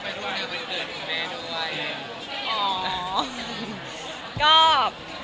สำหรับที่เกิดเมื่อของแม่ด้วย